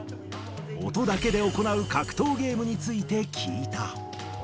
音だけで行う格闘ゲームについて、聞いた。